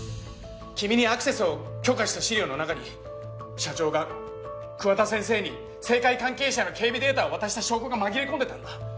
君にアクセスを許可した資料の中に社長が桑田先生に政界関係者の警備データを渡した証拠が紛れ込んでたんだ。